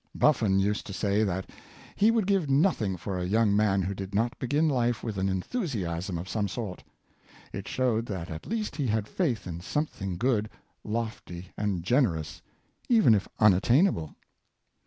Buffon used to say that he would give nothing for a young man who did not begin life with an enthusiasm of some sort. It showed that at least he had faith in some thing good, lofty, and generous, even if unattainable.